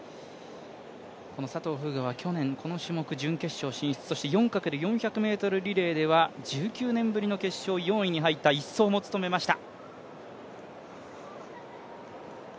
この佐藤風雅は去年、この種目準決勝進出、そして４×４００ｍリレーでは１９年ぶりの決勝、４位に入った１走も務めました。